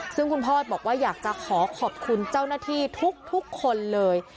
ซึ่งคุณพ่อบอกว่าอยากจะขอขอบคุณเจ้าหน้าที่ทุกคนเลย